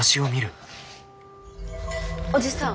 おじさん